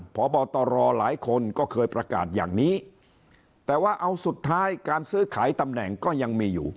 พบตรหลายคนก็เคยประกาศอย่างนี้แต่ว่าเอาสุดท้ายการซื้อขายตำแหน่งก็ยังมีอยู่